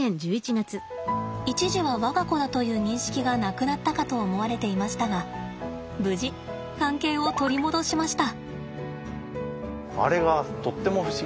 一時は我が子だという認識がなくなったかと思われていましたが無事関係を取り戻しました。